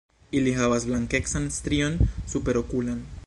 Ili havas blankecan strion superokulan.